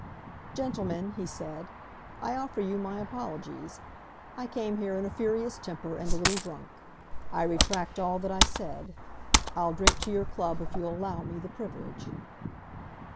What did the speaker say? "Gentlemen," he said, "I offer you my apologies. I came here in a furious temper and a little drunk. I retract all that I said. I'll drink to your club, if you'll allow me the privilege."